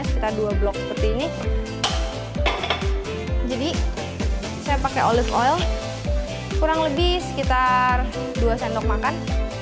kita dua blok seperti ini jadi saya pakai olis oil kurang lebih sekitar dua sendok makan